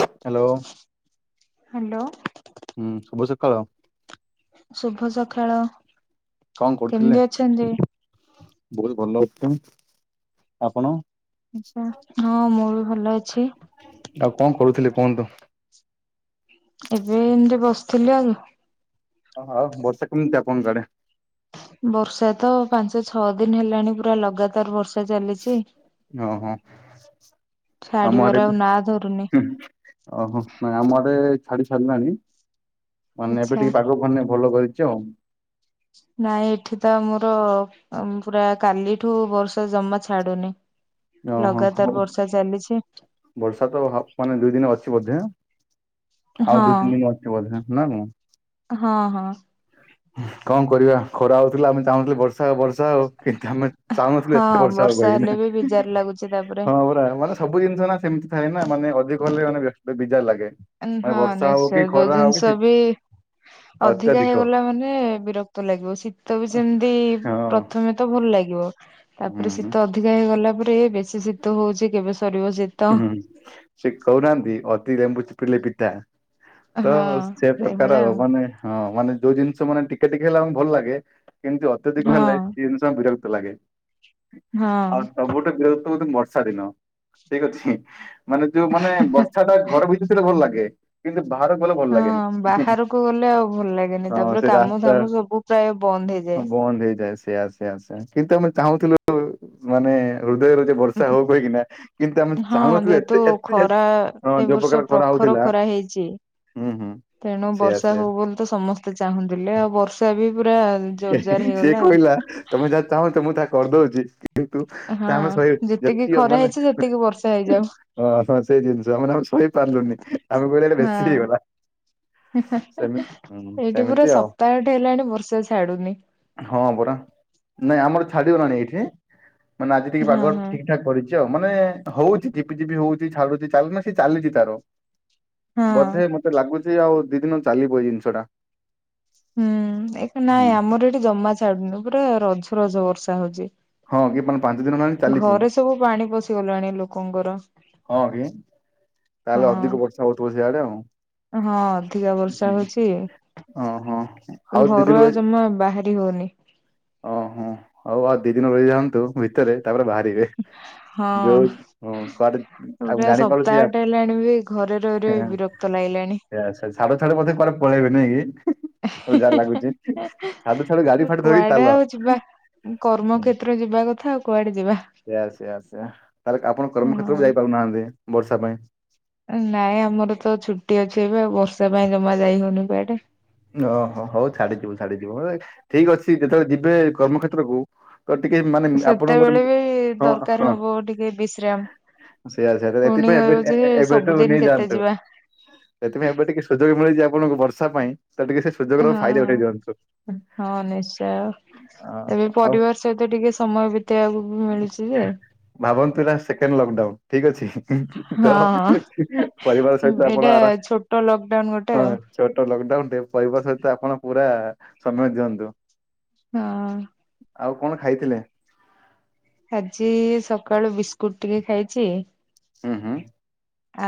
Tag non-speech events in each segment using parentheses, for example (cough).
Hello. Hello. ହୁଁ ଶୁଭ ସକାଳ। ଶୁଭ ସକାଳ କଣ କରୁଥିଲେ? କେମିତି ଅଛନ୍ତି? ବହୁତ ଭଲ ଅଛି ତ ଆପଣ? ଆଛା ହଁ ମୁଁ ବି ଭଲ ଅଛି। ଆଉ କଣ କରୁଥିଲେ କୁହନ୍ତୁ? ଏବେ ଏମିତି ବସିଥିଲି ଆଉ। ଓହୋ ଆଉ ବର୍ଷା କେମିତି ଆପଣଙ୍କ ଆଡ଼େ? ବର୍ଷା ତ ପାଞ୍ଚ ଛଅ ଦିନ ହେଲାଣି ପୁରା ଲଗାତର ବର୍ ର୍ଷା ଚାଲିଛି। ଓହୋ। ଆମ ଆଡେ ଛାଡିବାର ବି ଆଉ ନା ଧରୁନି। ହୁଁ ଓହୋ ନାଇଁ ଆମଆଡ଼େ ଛାଡ଼ି ସାରିଲାଣି। ମାନେ ଏବେ ଆଚ୍ଛା। ଟିକେ ପାଗ ମାନେ ଭଲ କରିଛି ଆଉ। ନାଇଁ ଏଠି ତ ଆମର ଆଉ ପୁରା କାଲିଠୁ ବର୍ଷା ଜମା ଛାଡୁନି। ଓହୋ ଲଗାତାର ହଉ ବର୍ଷା ଚାଲିଛି ବର୍ଷା ତ ହ ମାନେ ଦୁଇ ଦିନ ଅଛି ବୋଧେ? ଆଉ ହଁ ଦୁଇ ତିନି ଦିନ ଅଛି ବୋଧେ ନା ମୁଁ। ହଁ ହଁ। କଣ କରିବା ଖରା ହଉଥିଲା ଆମେ ଚାହୁଁଥିଲୁ ବର୍ଷା ଆଉ ବର୍ ର୍ଷା ହଉ କିନ୍ତୁ ଆମେ ଚାହୁନଥିଲୁ ଏତେ ହଁ ବର୍ଷା ହଉ ହେଲେ ବି କହିକିନା ବିଜାର ଲାଗୁଛି ତାପରେ ହଁ ପରା ମାନେ ସବୁ ଜିନିଷ ନା ସେମିତି ଥାଏ ନା ମାନେ ଅଧିକ ହେଲେ ମାନେ ବ୍ୟସ୍ତ ବିଜାର ଲାଗେ। ମାନେ ହଁ ବର୍ଷା ହଉ ନିଶ୍ଚୟ କି ଯୋଉ ଖରା ହଉ କି ଜିନିଷ ଶୀ ବି ଅଧିକା ଅତ୍ୟଧିକ ହେଇଗଲା ମାନେ ହେ ବିରକ୍ତ ଲାଗିବ ଶୀତ ବି ସେମିତି ହଁ ପ୍ରଥମେ ତ ଭଲ ଲାଗିବ ହୁଁ ତାପରେ ଶୀତ ଅଧିକା ହେଇଗଲା ପରେ ବେଶୀ ଶୀତ ହଉଛି କେବେ ସରିବ ଶୀତ। ହୁଁ। ସେ କହୁନାହାନ୍ତି ଅତି ଲେମ୍ବୁ ଚିପୁଡ଼ିଲେ ପିତା। ତ ହଁ ସେ ପ୍ରକାର ଆଉ ମାନେ ହଁ ମାନେ ଯୋଉ ଜିନିଷ ମାନେ ଟିକେ ଟିକେ ହେଲେ ଆମକୁ ଭଲ ଲାଗେ କିନ୍ତୁ ଅତ୍ୟଧିକ ହେଲେ ହଁ କି ବିରକ୍ତ ଲାଗେ, ଆଉ ହଁ। ସବୁଠୁ ବିରକ୍ତ ମତେ ବର୍ଷା ଦିନ। ଠିକ ଅଛି ମାନେ ଯୋଉ ମାନେ ବର୍ଷାଟା ଘର ଭିତରେ ଭଲ ଲାଗେ କିନ୍ତୁ ବାହାର ଭଲ ଭଲ ଲାଗେନି ହଁ ହୁଁ ବାହାରକୁ ଗଲେ ଆଉ ଭଲ ଲାଗେନି ହୁଁ ହଁ ତାପରେ ସେ କାମ ରାସ୍ତା ଧାମ ସବୁ ପ୍ରାୟ ବନ୍ଦ ହେଇଯାଏ। ହଁ ବନ୍ଦ ହେଇଯାଏ ସେ ଆସ ସେଆ ସେଆ କିନ୍ତୁ ଆମେ ଚାହୁଁଥିଲୁ ମାନେ ହୃଦୟରୁ ଯେ ଉଁ ବର୍ଷା ହଉ କହିକି ନା କିନ୍ତୁ ଆମେ ହଁ ଚାହୁଁନଥିଲେ ଯେହେତୁ ଏତେ ଏତେ ଏ ଖରା ହଁ ଏ ଯୋଉ ବର୍ଷ ପ୍ରକାର ଖରା ପ୍ରଖର ହଉଥିଲା ଖରା ହେଇଛି। ହୁଁ ହୁଁ। ତେଣୁ ସେୟା ବର୍ଷା ସେୟା ହଉ ବୋଲି ତ ସମସ୍ତେ ଚାହୁଁଥିଲେ ଆଉ ବର୍ଷା ବି ପୁରା ଜୋରଜାର ସିଏ ହେଇଗଲା ଆଉ। କହିଲା ତମେ ଯାହା ଚାହୁଁଚ ମୁଁ ତାହା କରିଦଉଛି କିନ୍ତୁ ତା ଆମେ ସଏ ଯେତିକି ମାନେ ଏତିକି ବର୍ଷା ହେଇଯାଉ। ହଁ ତମେ ସେଇ ଜିନିଷ ମାନେ ଆମେ ସହି ପାରିଲୁନି ଆମକୁ ଏ ଆଡେ ବେଶୀ ହଁ। ହେଇଗଲା। ସେମିତି ହୁଁ ଏଇଠି ସେମିତି ପୁରା ଆଉ ସପ୍ତାହଟେ ହେଲାଣି ବର୍ଷା ଛାଡୁନି। ହଁ ପରା ନାଇଁ ଆମର ଛାଡିଗଲାଣି ଏଇଠି ମାନେ ଆଜି ଟିକେ ହଁ ପାଗ ହଁ ଠିକ ଠାକ୍ କରି ଛି ହଉଛି ମାନେ ହଉଛି ଝିପିଝିପି ହଉଛି ଛାଡୁଛି ଚାଲନା ମାନେ ସେ ଚାଲିଛି ତାର। ହଁ। ବଧେ ମତେ ଲାଗୁଚି ଆଉ ଦି ଦିନ ଚାଲିବ ଏଇ ଜିନିଷଟା। ହୁଁ ଏକ ନାଇଁ ଆମର ଏଠି ଜମା ଛାଡୁନି ପୁରା ରଝ ରଝ ବର୍ଷା ହଉଛି। ହଁ କିପଣ ମାନେ ପାଞ୍ଚ ଦିନ ନାଣି। ଘରେ ସବୁ ପାଣି ପଶିଗଲାଣି ଲୋକଙ୍କର। ହଁ କି ହଁ ତାହେଲେ ଅଧିକ ବର୍ଷା ହଉଥବ ସେଆଡେ ଆଉ। ହଁ ଅଧିକା ବର୍ଷା ହଉଛି। ଓହୋ ଦି ଦିନ ଘରୁ ଆଉ ରହି ଜମା ବାହାରି ହଉନି। ଓହୋ ଆଉ ଆଉ ଦି ଦିନ ରହି ଯାଆନ୍ତୁ ଭିତରେ ତାପରେ ବାହାରିବେ। ହଁ ଯଉ ହଁ। (inaudible) ପୁରା ଜାଣିପାରୁଛି ଆ ସପ୍ତାହଟେ ହେଲାଣି ବି ଘରେ ରହି ରହି ବିରକ୍ତ ଲାଗିଲାଣି। ଛା ଛାଡ ଛଡୁ ବଧେ କା ପଳେଇବେ ନାଇଁ କି ମଜା ଲାଗୁଚ ଛାଡୁ ଛାଡୁ ଗାଡି ଫାଡି ଧରି ଚା। କର୍ମକ୍ଷତ୍ର ଯିବା କଥା ଆଉ କୁଆଡେ ଯିବା ସେଇଆ ସେଆ ସେ ତାହେଲେ ଆପଣ ହଁ କର୍ମକ୍ଷ୍େତ୍ରରେ ଯାଇପାରୁନାହାନ୍ତି ବର୍ଷା ପାଇଁ ନାଇଁ ଆମର ତ ଛୁଟି ଅଛି ଏବେ ଆଉ ବର୍ଷା ପାଇଁ ଜମା ଯାଇ ହଉନି କୁଆଡେ। ଓହୋ ହଉ ଛାଡିଯିବୁ ଛାଡି ଯିବ ଠିକ ଅଛି ଯେତେବେଳେ ଯିବେ କର୍ମକ୍ଷେତ୍ରକୁୁ ଟିକେ ମାନେ ଆପଣଙ୍କ ଗୋଟେ ସେତେବେଳେ ବି ହଁ ହଁ ଦରକାର ହବ ଟିକେ ବିଶ୍ରାମ ସେଇଆ ସେଆ ପୁଣି ଏଥିପାଇଁ ଏବେ କହିବ ଯେ ଏବେଠୁ ସବୁଦିନ କେତେ ନେଇଯାଆନ୍ତୁ। ଯିବା ସେଥିପାଇଁ ଏବେ ଟିକେ ସୁଯୋଗ ମିଳିଛି ଆପଣଙ୍କୁ ବର୍ଷା ପାଇଁ। ତ ଟିକେ ସେ ସୁଯୋଗର ଫାଇଦା ହଁ ଉଠେଇ ଦିଅନ୍ତୁ। ହଁ ନିଶ୍ଚୟ ଅ ଏବେ ଆଉ ପରିବାର ସହିତ ଟିକେ ସମୟ ବିତେଇବାକୁ ବି ମିଳୁଛି ଯେ ଭାବନ୍ତୁ ନା ସେକେଣ୍ଡ ଲକଡାଉନ। ଠିକ ଅଛି ତ ହଁ ପରିବାର ସହିତ ଏଇଟା ଆପଣ ଆର ଛୋଟ ଲକଡାଉନ ଗୋଟେ ହଁ ଆଉ ଛୋଟ ଲକଡାଉନ ଟେ ପରିବାର ସହିତ ଆପଣ ପୁରା ସମୟ ଦିଅନ୍ତୁ। ହଁ ଆଉ କଣ ଖାଇଥିଲେ? ଆଜି ସକାଳୁ ବିସ୍କୁଟ ଟିକେ ଖାଇଛି। ହଁ ହଁ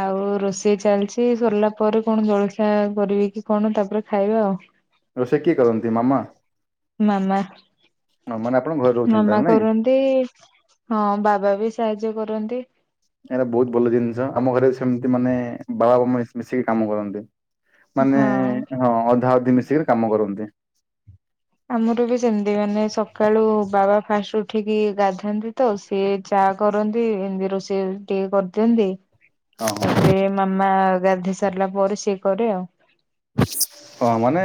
ଆଉ ରୋଷେଇ ଚାଲିଛି ସରିଲା ପରେ କଣ ଜଳଖିଆ କରିବି କି କଣ ତାପରେ ଖାଇବା ଆଉ ରୋଷଇ କେ କରନ୍ତି ମାମା ମାମ ଅ, ମାନେ ଆପଣ ଘରେ ରହୁଛନ୍ତି ମାମ ତାହେଲେ ନାଇଁ? କର ହଁ ବାବା ବି ସାହାଯ୍ୟ କରନ୍ତି। ଏଇଟା ବହୁତ ଭଲ ଜିନିଷ ଆମ ଘରେ ସେମିତି ମାନେ ବା ବାପ ମିଶିକି କାମ କରନ୍ତି। ମାନେ ହଁ। ହଁ ଅଧା ଅଧି ମିଶିକିରି କାମ କରନ୍ତି। ଆମର ବି ସେମତି ମାନେ ସକାଳୁ ବାବା ଫାଷ୍ଟ ଉଠିକି ଗାଧାନ୍ତି ତ। ସଏ ଚା କରନ୍ତି ଏମିତି ରୋଷେଇ ଟିକେ କରିଦିଅନ୍ତି। ହଁ ହଁ। ତାପରେ ମାମା ଗାଧୋଇ ସାରିଲା ପରେ ସିଏ କରେ ଆଉ। ହଁ ମାନେ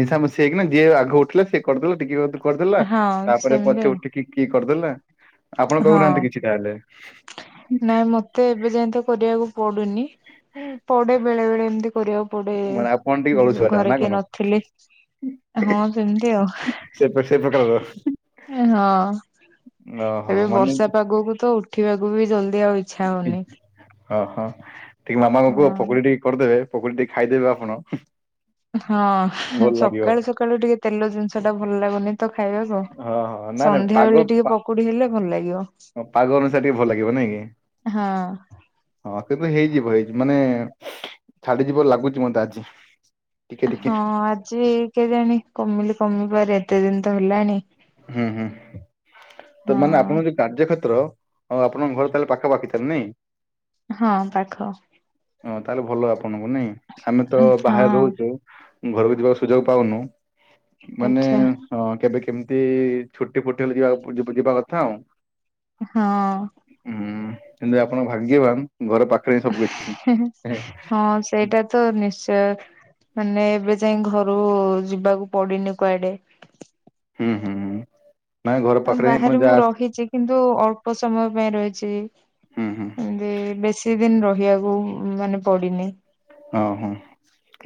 ମିଶାମିଶି ହେଇକିନା ଯିଏ ଆଗ ଉଠିଥିଲେ ସେ କରିଦେଲା ଟିକେ କରିଦେଲା ହଁ ତାପରେ ସେମିତି ପଛେ ଆଉ ଉଠିକି କିଏ କରିଦେଲା ଆପଣ ହଁ କହୁନାହାନ୍ତି କିଛି। ତାହେଲେ ନାଇଁ ମତେ ଏବେ ଯାଇଏ ତ କରିବାକୁ ପଡୁନି ପଡେ ବେଳେ ବେଳେ ଏମତି କରିବାକୁ ପଟେ ମାନେ ଆପଣ ଟିକେ ଅଳସୁଆ ଟା ଘରେ ନା କିଏ କଣ? ନଥିଲେ। ହଁ ସେମିତି ଆଉ ସେ ସେ ପ୍ରକାରର ହଁ ଏବେ ଓହୋ ମାନେ ବର୍ଷା ପାଗକୁ ତ ଉଠିବାକୁ ବି ଜଲଦି ଆଉ ଇଚ୍ଛା ହଉନି। ଓ ହଁ ଟିକ ମାମାଙ୍କୁ ପକୁଡି ହଁ ଟିକେ କରିଦେବେ ପୋକରୀ ଟିକ ଖାଇଦେବେ ଆପଣ ହଁ ଭଲ ଲାଗିବ। ସକାଳୁ ସକାଳୁ ଟିକେ ତେଲ ଜିନିଷ ଟା ଭଲ ଲାଗୁନି। ତ ଖାଇବାକୁ ହଁ ହଁ ନାଇଁ ନାଇଁ ସନ୍ଧ୍ୟା ପାଗ ବେଳେ ଟିକେ ପକୁଡି ହେଲେ ଭଲ ଲାଗିବ। ସେଇଟା ଟିକେ ଭଲ ଲାଗିବ ନାଇଁ କି? ହଁ ହଁ କିନ୍ତୁ ହେଇଯିବ ହେଇଯିବ ମାନେ ଛାଡିଯିବ ଲାଗୁଛି ମତେ ଆଜି। ଟିକେ ଟିକେ ହଁ ଆଜି କେଜାଣି କମିଲେ କମିପାରେ ଏତେ ଦିନ ତ ହେଲାଣି। ହୁଁ ହୁଁ ତ ମାନେ ହଁ ଆପଣଙ୍କ ଯ କାର୍ଯ୍ୟ କେତ୍ର ଆପଣଙ୍କ ଘର ତାହେଲେ ପାଖାପଖି ତାହେଲେ ନାଇଁ। ହଁ ପାଖ। ହ ତାହେଲେ ଭଲ ଆପଣଙ୍କୁ ନାଇଁ ଆମେ ତ ଉଁ, ବାହାରେ ହଁ ରହୁଛୁ। ଘରକୁ ଯିବାର ସୁଯୋଗ ପାଉନୁ ମାନେ ଆଚ୍ଛା ହଁ କେବେ କେମିତି ଛୁଟି ଫୁଟି ହେଲେ ଯିବା ଯିବା କଥା ଆଉ ହଁ ହୁଁ କିନ୍ତୁ ଆପଣ ଭାଗ୍ୟବାନ ଘର ପାଖରେ ହିଁ ସବୁ କିଛି। ହଁ ସେଇଟା ତ ନିଶ୍ଚୟ ମାନେ ଏବେ ଯାଇ ଘରୁ ଯିବାକୁ ପଡିନି କୁଆଡେ। ହୁଁ ହୁଁ ହୁଁ ନାଇଁ ଘର ଆଉ ପାଖରେ ବାହାରେ ମୁଁ ଯାହା ରହିଛି କିନ୍ତୁ ଅଳ୍ପ ସମୟ ପାଇଁ ରହିଛି ହୁଁ ହୁଁ ଏମତି ବେଶୀ ଦିନ ରହିବାକୁ କୁ ମାନେ ପଡିିନି। ଓଁ ହଁ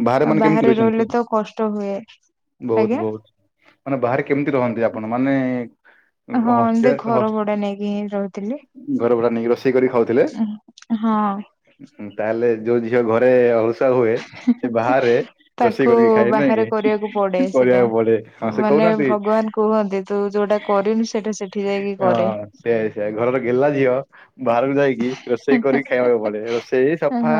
ବାହାରେ ମାନେ କେମିତି ରହିଲେ ରହୁଛନ୍ତି? ତ କଷ୍ଟ ହୁଏ ଆଜ୍ଞା ବହୁତ ବହୁତ ମାନେ ବାହାରେ କେମିତି ରହନ୍ତି ଆପଣ ମାନେ ହଁ ଏମିତି ହଷ୍ଟେଲ ଘର ଭଡା ନେଇକି ହିଁ ରହୁଥିଲି। ଘର ଭଡ଼ା ନେଇକି ରୋଷେଇ କରି ଖାଉଥିଲେ? ହଁ ତାହେଲେ ଯୋଉ ଝିଅ ଘରେ ଅ ହୁଏ ସେ ବାହାରେ ରୋଷେଇ ତାକୁ କରିକି ଖାଏ ନାଇଁ ବାହାରେ କି କରିବାକୁ ପଡେ ସେଟା। କରିବାକୁ ପଡେ। ହଁ ସେ ମାନେ କହୁନାହାନ୍ତି ଭଗବାନ କୁହନ୍ତି ତୁ ଯୋଉଟା କରିନୁ ସେଇଟା ସେଠି ଯାଇକି କରେ। ସେଇଆ ସେଆ ଘରର ଗେଲା ଝିଅ ବାହାରକୁ ଯାଇକି ରୋଷେଇ କରି ଖାଇବାକୁ ପଡେ ରୋଷେଇ ସଫା ହଁ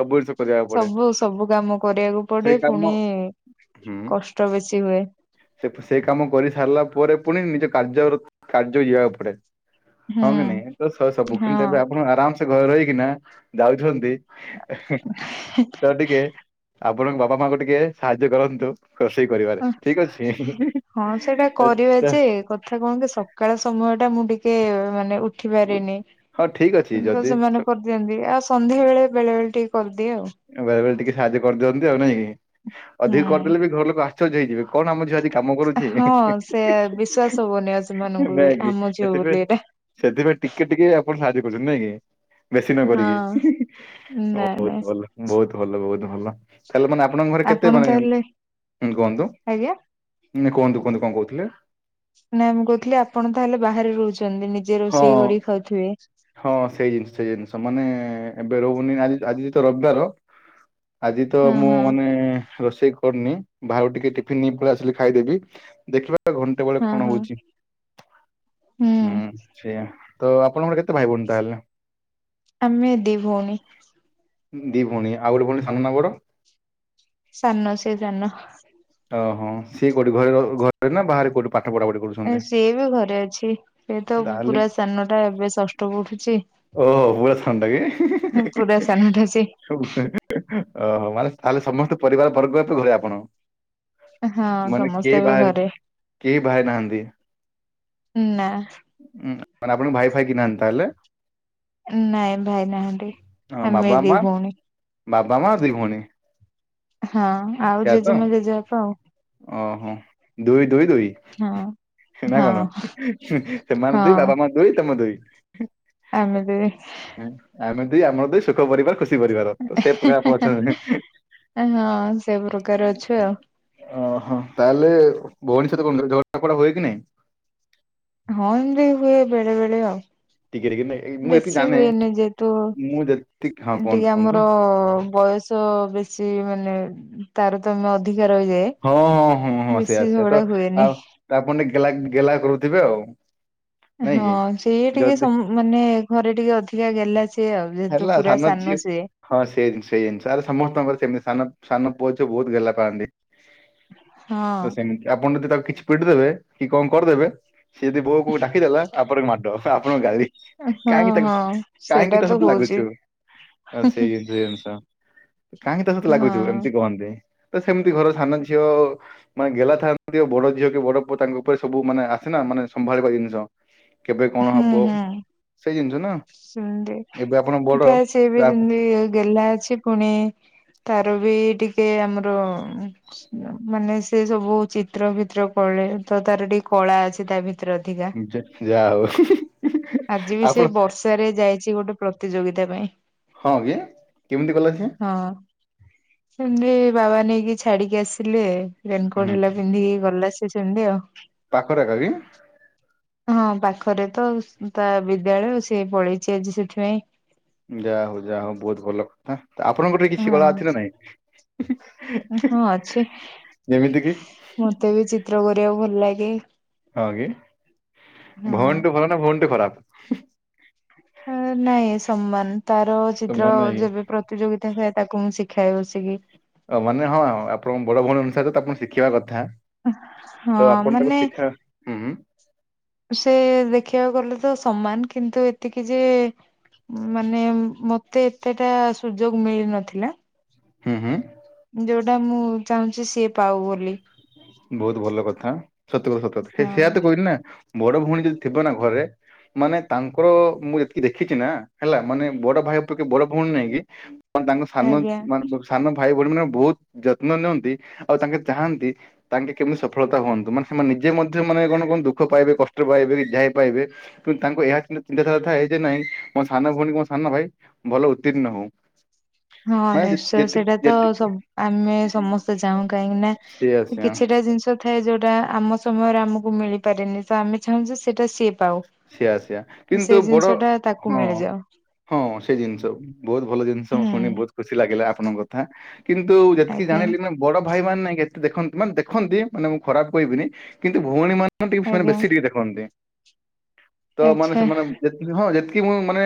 ସବୁ ଜିନିଷ କରିବା ସବୁ ସବୁ କାମ କରିବାକୁ ପଡେ ପୁଣି କାମ ହୁଁ କଷ୍ଟ ବେଶୀ ହୁଏ। ସେ ସେ କାମ କରି ସାରିଲା ପରେ ପୁଣି ନିଜ କାର୍ଯ୍ୟ କାର୍ଯ୍ୟ ଯିବାକୁ ପଡେ। ହୁଁ ହଁ କି ନାଇଁ ତ ସବୁ କିନ୍ତୁ ଏବେ ହଁ। ଆପଣ ଆରାମ ଘରେ ରହିକିନା ଯାଉଛନ୍ତି। ତ ଟିକେ ଆପଣଙ୍କ ବାପା ମାଙ୍କୁ ଟିକେ ସାହାଯ୍ୟ କରନ୍ତୁ। ରୋଷେଇ କରିବା ଠିକ ଅଛି। ହଁ ସେଇଟା କରିବା ଯେ କଥା କଣ କି ସକାଳ ସମୟ ଟା ମୁଁ ଟିକେ ମାନେ ଉ ଉଠିପାରେନି। ଠିକ୍ ଅଛି ଯଦି ସେମାନେ କରିଦିଅନ୍ତି ଆଉ ସନ୍ଧ୍ୟା ବେଳେ ବେଳେ ବେଳେ ଟିକେ କରିଦିଏ ଆଉ। ବେଳେ ବେଳେ ଟିକେ ସାହାଯ୍ୟ କରିଦିଅନ୍ତି ଆଉ ନାଇଁକି ଅଧିକ ହୁଁ କରିଦେଲେ ବି ଘର ଲୋକ ଆଶ୍ଚର୍ଯ୍ୟ ହେଇଯିବେ। କଣ ଆମ ଝିଅ ଆଜି କାମ କରୁଛି ହଁ ସେ ବିଶ୍ଵାସ ହବନି ଆଉ ସେମାନଙ୍କୁ ବି ନାଇକି ଆମ ଝିଅ ବୋଲି ଏଇଟା। ସେଥିପାଇଁ ଟିକେ ଟିକେ ଆପଣ ସାହାଯ୍ୟ କରୁଛନ୍ତି ନାଇଁ କି? ବେଶୀ ନ ହଁ କରିକି ନାଇଁ ବହୁତ ନାଇଁ ଭଲ। ବହୁତ ଭଲ ବହୁତ ଭଲ ତାହେଲେ ମାନେ ଆପଣଙ୍କ ଘରେ କେତେ ଆପଣ ମାନେ ହଁ ତାହେଲେ କୁହନ୍ତୁ। ଆଜ୍ଞା ହୁଁ କୁହନ୍ତୁ କୁହନ୍ତୁ କଣ କହୁଥିଲେ? ନାଇ ମୁଁ କହୁଥିଲି ଆପଣ ତାହେଲେ ବାହାରେ ରହୁଛନ୍ତି ନିଜେ ହଁ ରୋଷେଇ କରିକି ଖାଉଥିବେ? ହଁ ସେଇ ଜିନିଷ ସେଇ ଜିନିଷ ମାନେ ଏବେ ରହୁନି ଆଜି ତ ରବିବାର। ଆଜି ତ ହଁ ମୁଁ ହଁ ମାନେ ରୋଷେଇ କରିନି ବାହଘକୁ ଟିକେ ଟିଫିନ ନେଇ ପଲେଈ ଆସିଲି ଖାଇଦେବି ଦେଖିବା ଘଣ୍ଡେ ବେଳେ ହଁ କଣ ହଁ ହଉଛି ହୁଁ। ସେଇଆ ତ ଆପଣଙ୍କର କେତେ ଭାଇଭଉଣୀ ତାହେଲେ? ଆମେ ଦି ଭଉଣୀ। ଦି ଭଉଣୀ ଆଉ ଗୋଟେ ଭଉଣୀ ସାନ ନାଁ ବଡ଼? ସାନ ସିଏ ଜାନ। ଓହୋ ସିଏ କୋଉଠି ଘରେ ଘରେ ନା ବାହାରେ କୋଉଠି ପାଠ ପଢା ପଢି ଏ ସିଏ ବି ଘରେ ଅଛି ସେ ତ ତାହେଲେ ପୁରା ସାନ ଟା ଏବେ ଷଷ୍ଠ ପଢୁଛି। ଓହୋ ପୁରା ସାନଟା କି ପୁରା (unintelligible) ସାନଟା ସେ। ସବୁ -ଓହୋ ମାନେ ତାହେଲେ ସମସ୍ତେ ପରିବାର ବର୍ଗ ଏବେ ଘରେ ଆପଣ? ହଁ ମାନେ ସମସ୍ତେ କେହି ଏବେ ଭା ଘରେ କେହି ବାହା ହେଇନାହାନ୍ତି? ନା। ଉଁ- ମାନେ ଆପଣଙ୍କ ଭାଇ ଫାଇ କେହି ନାହାନ୍ତି ତାହେଲେ? ନାଇଁ ଭାଇ ନାହାନ୍ତି ହଁ ଆମେ ବାବା ଦି ମା ଭଉଣୀ। ବାବା, ମା, ଦି ଭଉଣୀ। ହଁ ଆଉ ସେୟା ତ ଜେଜେମା, ଜେଜେବାପା ଆଉ। ଓହୋ ଦୁଇ -ଦୁଇ ଦୁଇ। ହଁ ସେ ନା କଣ ହଁ ସେମାନେ ଦୁଇ ହଁ। ବାବା ମା ଦୁଇ ତମେ ଦୁଇ। ଆମେ ଦୁଇ। ଆମେ ଦୁଇ ଆମର ଦୁଇ ସୁଖ ପରିବାର ଖୁସି ପରିବାର ତ ସେ ପ୍ରକାର ଆପଣ ଅଛନ୍ତି। ହଁ ସେ ପ୍ରକାର ଅଛୁ ଆଉ। ଓହୋ ତାହେଲେ ଭଉଣୀ ସହିତ କଣ କର ଝଗଡ଼ା ଫଗଡା ହୁଏ କି ନାଇଁ? ହଁ ହେନ୍ତି ହୁଏ ବେଳେ ବେଳେ ଆଉ। ଟିକେ ଟିକେ ନାଇଁ ଏଇ ମୁଁ ଯେତିକି ବେଶୀ ଜାଣେ ହୁଏନି ଯେହେତୁ ମୁଁ ଯେତିକି ହଁ ଟିକେ କୁହନ୍ତୁ କୁହନ୍ତୁ ଆମର ବୟସ୍ ତ ବେଶି ମାନେ ତାରତମ୍ୟ ଅଧିକା ରହିଯାଏ ହଁ - ହଁ- ସେୟା ବେଶୀ ସେୟା ତ ଝଗଡା ହୁଏନି ଆଉ ଆପଣ ଟିକେ ଗେ- ଗେଲା କରୁଥିବେ ଆଉ? ନାଇଁ ହଁ କି ସେଇ ଟିକେ ଯଦି ସ-ମାନେ ଘରେ ଟିକେ ଅଧିକା ଗେଲା ସେ ସେ ଆଉ ହେଲା ଯେହେତୁ ପୁରା ଝିଅ ସାନ ସେ ହଁ ସେଇ ଜିନିଷ ସେଇ ଜିନିଷ ଆରେ ସମସ୍ତଙ୍କର ସେମିତି ସାନ- ସାନ ପୁଅ ଝିଅ ବହୁତ୍ ଗେଲା ପାଆନ୍ତି। ହଁ ତ ସେମିତି ଆପଣ ଯଦି ତାକୁ କିଛି ପିଟି ଦେବେ କି କଣ କରିଦେବେ ସିଏ ଯଦି ବୋଉ ବୋଉ ଡାକିଦେଲା ଆପଣଙ୍କୁ ମାଡ ଆପଣଙ୍କୁ ଗାଳି ହଁ କାହିଁକି ତାକୁ ହଁ କାହିଁକି ସେଇଟା ତା ତ ହଉଛି ଲାଗୁଛୁ ଅ- ସେଇ ସେ ଜିନିଷ କାହିଁକି ତା ସହିତ ଲାଗୁଚୁ ହଁ ଏମିତି କୁହନ୍ତି ତ ସେମିତି ଘର ସାନ ଝିଅ ମାନେ ଗେଲା ଥାଆନ୍ତି ବଡ ଝିଅ କି ବଡ ପୁଅ ତାଙ୍କ ଉପରେ ସବୁ ମାନେ ଆସେନା ମାନେ ସମ୍ଭାଳିବା ଜିନିଷ କେବେ କଣ ହବ ସେଇ ଜିନିଷ ନା ସେମତି ଏବେ ଆପଣ ବଡ ଥାଏ ସିଏ ତ ବି ସେମିତି ଗେହ୍ଲା ଅଛି ପୁଣି ତାର ବି ଟିକେ ଆମର ମାନେ ସେ ସବୁ ଚିତ୍ର ଭିତ୍ର କଲେ ତ ତାର ଟିକେ କଳା ଅଛି ତା ଭିତରେ ଅଧିକା। ହେ ଯା ହଉ। ଆଜି ବି ଆପଣ ସେ ବର୍ଷାରେ ଯାଇଚି ଗୋଟେ ପ୍ରତିଯୋଗିତା ପାଇଁ। ହଁ କି କେମିତି ଗଲା ସେ? ହଁ ସେମିତି ବାବା ନେଇକି ଛାଡିକି ଆସିଲେ। ରେନିକୋଟ୍ ହୁଁ ହେଲା ପିନ୍ଧିକି ଗଲା ସେ ସେମିତି ଆଉ। ପାଖରେ ଏକା କି? ହଁ ପାଖରେ ତ ତା ବିଦ୍ୟାଳୟ ସିଏ ପଳେଇଚି ଆଜି ସେଥିପାଇଁ। ଯା ହୋଉ ଯା ହୋଉ ବହୁତ୍ ଭଲ କଥା ଆପଣଙ୍କ ଠେ କିଛି ହଁ କଳା ଅଛି ନା ନାହିଁ? ହଁ ଅଛି। ମତେ ବି ଚିତ୍ର କରିବାକୁ ଭଲ ଲାଗେ। ହଁ କି ହଁ। ଭଉଣୀ ଠୁ ଭଲ ନା ଭଉଣୀ ଠୁ ଖରାପ୍? ହଁ -ନାଇଁ ସମାନ ତାର ଚିତ୍ର ସମାନ ନାଇଁ ଯେବେ ପ୍ରତିଯୋଗିତା ହୁଏ ତାକୁ ମୁଁ ଶିଖାଏ ବସିକି। ତା ମାନେ ହଁ ଆପଣ ବଡ ଭଉଣୀ ଅନୁସାରେ ତାକୁ ଶିଖିବା କଥା। ତ ହଁ ଆପଣ ତାକୁ ମାନେ ଶିଖା ହୁଁ। ସେ ଦେଖିବାକୁ ଗଲେ ତ ସମାନ କିନ୍ତୁ ଏତିକି ଯେ ମାନେ ମତେ ଏତେଟା ସୁଯୋଗ ମିଳିନଥିଲା। ହୁଁ ହୁଁ। ଯୋଉଟା ମୁଁ ଚାହୁଁଚି ସିଏ ପାଉ ବୋଲି। ବହୁତ ଭଲ କଥା ସତ କୁ ସତ କଥା ସେୟା ହଁ ତ କହିଲି ନା। ବଡ ଭଉଣୀ ଯଦି ଥିବ ନା ଘରେ ମାନେ ତାଙ୍କର ମୁଁ ଯେତିକି ଦେଖିଚି ନା ହେଲା ମାନେ ବଡ ଭାଇ ପ୍ରତି ବଡ ଭଉଣୀ ନାଇକି ମାନେ ତାଙ୍କ ସାନ ଆଜ୍ଞା। (unintelligible) ସାନ ଭାଇ ଭଉଣୀ ମାନେ ବହୁତ୍ ଯତ୍ନ ନିଅନ୍ତି ଆଉ ତାଙ୍କେ ଚାହାଁନ୍ତି ତାଙ୍କେ କେମିତି ସଫଳତା ହୁଅନ୍ତୁ ମାନେ ସେମାନେ ନିଜେ ମଧ୍ୟ ମାନେ କଣ କଣ ଦୁଃଖ ପାଇବେ କଷ୍ଟ ପାଇବେ ଯାଇ ପାଇବେ କିନ୍ତୁ ତାଙ୍କୁ ଏହା ଚିନ୍ତାଧାରା ଥାଏ ଯେ ନାଇଁ ମୋ ସାନ ଭଉଣୀ ମୋ ସାନ ଭାଇ ଭଲ ଉତ୍ତୀର୍ଣ୍ଣ ହୋଉ। ହଁ ନିଶ୍ଚୟ ସେଇଟା ତ ଯେତିକି ସ ଆମେ ସମସ୍ତେ ଚାହୁଁ କାହିଁକି ସେଆ ନା ସେଆ କିଛିଟା ଜିନିଷ ଥାଏ ଯୋଉଟା ଆମ ସମୟରେ ଆମକୁ ମିଳିପାରେନି ତ ଆମେ ଚାହୁଁଛୁ ସେଇଟା ସେ ପାଉ। ସେୟା ସେୟା କିନ୍ତୁ ଜିନିଷ ବଡ ଟା ତାକୁ ହଁ ମିଳିଯାଉ ହଁ ସେଇ ଜିନିଷ ବହୁତ ଭଲ ଜିନିଷ ମୁଁ ହୁଁ ଶୁଣି ବହୁତ୍ ଖୁସି ଲାଗିଲା ଆପଣଙ୍କ କଥା। କିନ୍ତୁ ଯେତିକି ଆଜ୍ଞା। ଜାଣିଲି ନା ବଡ ଭାଇ ମାନେ ନାଇଁ ଏତେ ଦେଖନ୍ତି ମାନେ ଦେଖନ୍ତି ମାନେ ମୁଁ ଖରାପ କହିବିନି କିନ୍ତୁ ଭଉଣୀ ମାନେ ହଁ ଟିକେ ସେମାନେ ଆଜ୍ଞା ବେଶୀ ଟିକେ ଦେଖନ୍ତି ତ ମାନେ ଆଚ୍ଛା ସେମାନେ ଯେତିକି ହଁ ଯେତିକି ମୁଁ ମାନେ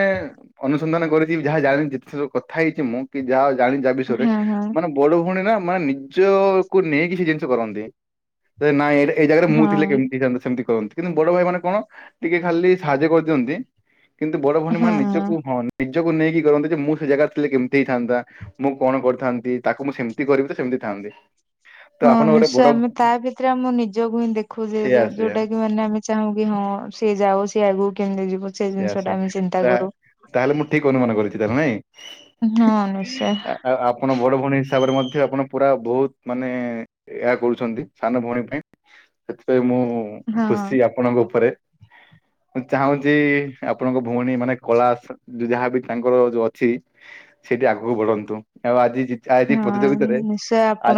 ଅନୁସନ୍ଧାନ କରିଛି ଯାହା ଜାଣିିଛି ଯେତିକି କଥା ହେଇଛି ମୁଁ କି ଯାହା ଜାଣିଛି ଯା ବିଷୟରେ ହଁ ହଁ ମାନେ ବଡ ଭଉଣୀ ନା ମାନେ ନିଜକୁୁ ନେଇକି ସେ ଜିନିଷ କରନ୍ତି। ନାଇଁ ଏଇ ଜାଗାରେ ମୁଁ ଥିଲେ ହଁ। କେମିତି ହେଇଥାଆନ୍ତା ସେମିତି କହନ୍ତି। କିନ୍ତୁ ବଡ ଭାଇ ମାନେ କଣ? ଟିକେ ଖାଲି ସାହାଯ୍ୟ କରିଦିଅନ୍ତି କିନ୍ତୁ ବଡ ଭଉଣୀ ମାନେ ନିଜକୁ ହଁ ନିଜକୁ ନେଇକି କରନ୍ତି ଯେ ମୁଁ ସେ ଜାଗାରେ ଥିଲେ କେମିତି ହେଇଥାନ୍ତା ମୁଁ କଣ କରିଥାନ୍ତି ତାକୁ ମୁଁ ସେମ ତି କରିବି ତ ସେମିତି ଥାଆନ୍ତି। ହଁ ନିଶ୍ଚୟ ଆମେ ତା ଭିତରେ ଆମ ନିଜକୁ ହିଁ ଦେଖୁ ଯେ ସେଇଆ ସେଇଆ ଯୋଉଟା କି ମାନେ ଆମେ ଚାହୁଁ କି ହଁ ସିଏ ଯାଉ ସିଏ ଆଗକୁ କେମିତି ଯିବ? ସେ ଜିନିଷ ଟା ଆଶା ଆମେ ଚିନ୍ତା ତା କରୁ। ତାହେଲେ ମୁଁ ଠିକ୍ ଅନୁମାନ କରିଛି ତାେହେଲେ ନାଇଁ। ହଁ ନିଶ୍ଚୟ। ଆ- ଆଉ ଆପଣ ବଡ ଭଉଣୀ ହିସାବରେ ମଧ୍ୟ ଆପଣ ପୁରା ବହୁତ ମାନେ ଏହା କରୁଛନ୍ତି ସାନ ଭଉଣୀ ପାଇଁ। ସେଥିପାଇଁ ମୁଁ ହଁ ଖୁସି ଆପଣଙ୍କ ଉପରେ ମୁଁ ଚାହୁଁଚି ଯେ ଆପଣଙ୍କ ଭଉଣୀ ମାନେ କଳା ସ ଯାହାବି ତାଙ୍କର ଯୋଉ ଅଛି ସେଇଠି ଆଗକୁ ବଢନ୍ତୁ ଆଉ ଆଜି ଜିତା ହଁ ପ୍ରତିଯୋଗିତାରେ ନିଶ୍ଚୟ ଆପଣ